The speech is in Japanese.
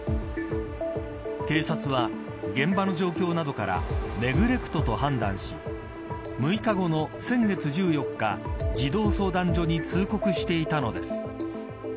警察は、現場の状況などからネグレクトと判断し６日後の、先月１４日児童相談所に通告していたのです。